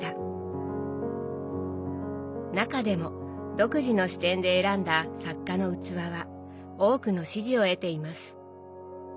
中でも独自の視点で選んだ作家の器は多くの支持を得ています。